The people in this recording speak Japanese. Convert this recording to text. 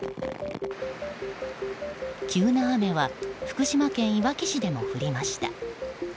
急な雨は福島県いわき市でも降りました。